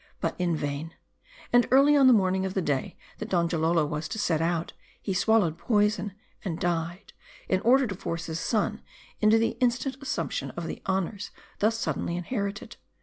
But in vain. And early on the morning of the day, that Donjalolo was to set out, he swallowed poison, and died ; in order to force his son into the instant assumption of the honors thus suddenly inherited.